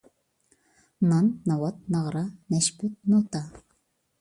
نان، ناۋات، ناغرا، نەشپۈت، نوتا.